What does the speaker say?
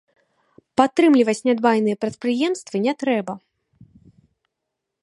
Падтрымліваць нядбайныя прадпрыемствы не трэба.